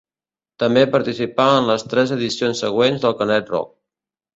També participà en les tres edicions següents del Canet Rock.